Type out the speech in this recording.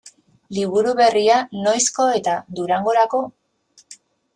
Liburu berria noizko eta Durangorako?